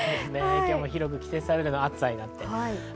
今日も広く季節外れの暑さになっています。